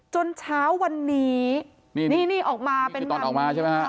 เช้าวันนี้นี่นี่ออกมาเป็นตอนออกมาใช่ไหมฮะ